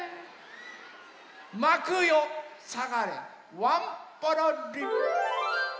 まくよさがれワンポロリン！